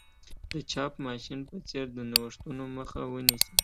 د چاپ ماشین په څېر د نوښتونو مخه ونیسي.